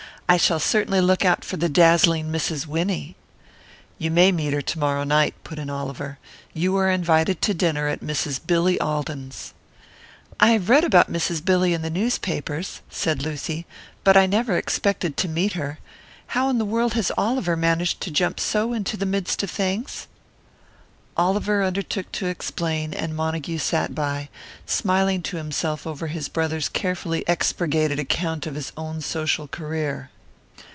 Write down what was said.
"I shall certainly look out for the dazzling Mrs. Winnie." "You may meet her to morrow night," put in Oliver. "You are invited to dinner at Mrs. Billy Alden's." "I have read about Mrs. Billy in the newspapers," said Lucy. "But I never expected to meet her. How in the world has Oliver managed to jump so into the midst of things?" Oliver undertook to explain; and Montague sat by, smiling to himself over his brother's carefully expurgated account of his own social career.